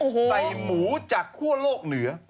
ใส่หมูจากคั่วโลกเหนือ